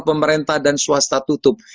pemerintah dan swasta tutup